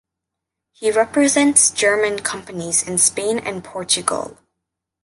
He represents German companies in Spain and Portugal.